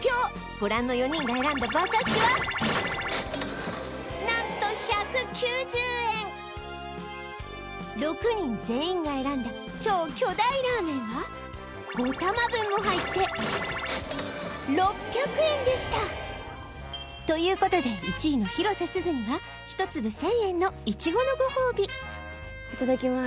ご覧の４人が選んだ馬刺しは何と６人全員が選んだ超巨大ラーメンは５玉分も入ってということで１位の広瀬すずには１粒１０００円のイチゴのご褒美いただきます